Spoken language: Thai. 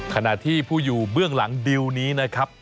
ขณะที่ผู้อยู่เบื้องหลังดิวนี้นะครับ